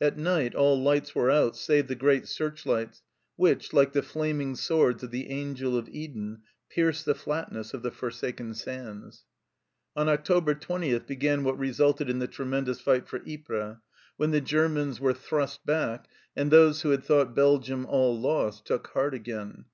At night all lights were out save the great searchlights which, like the Flaming Swords of the Angel of Eden, pierced the flatness of the forsaken sands. On October 20 began what resulted in the tre mendous fight for Ypres, when the Germans were 54 THE CELLAR HOUSE OF PERVYSE thrust back, and those who had thought Belgium all lost took heart again.